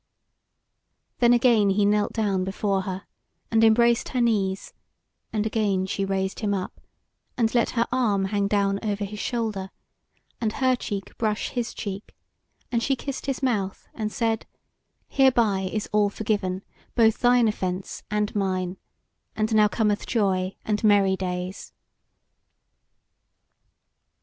Then again he knelt down before her, and embraced her knees, and again she raised him up, and let her arm hang down over his shoulder, and her cheek brush his cheek; and she kissed his mouth and said: "Hereby is all forgiven, both thine offence and mine; and now cometh joy and merry days."